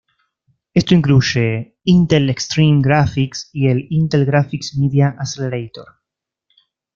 Esto incluye Intel Extreme Graphics y el Intel Graphics Media Accelerator.